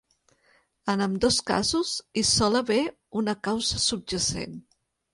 En ambdós casos, hi sol haver una causa subjacent.